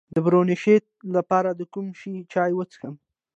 د برونشیت لپاره د کوم شي چای وڅښم؟